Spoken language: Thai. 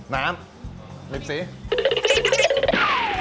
น้ำ